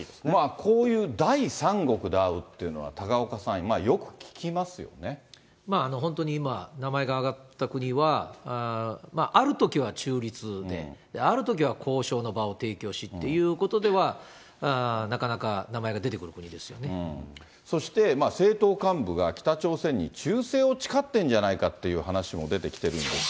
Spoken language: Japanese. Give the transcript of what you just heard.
こういう第三国で会うっていうのは、高岡さん、本当に今、名前が挙がった国は、あるときは中立で、あるときは交渉の場を提供しっていうことでは、なかなか名前が出そして、政党幹部が北朝鮮に忠誠を誓ってんじゃないかっていう話も出てきてるんです